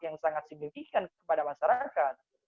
yang sangat signifikan kepada masyarakat